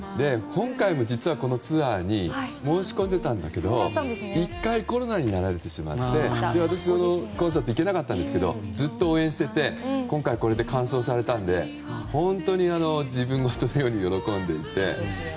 実は、今回のツアーにも申し込んでたんだけど１回、コロナになられてしまって私もコンサートに行けなかったんですけどずっと応援していて、今回これで完走されたので本当に自分事のように喜んでいて。